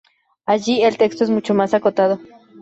Allí, el texto es mucho más acotado.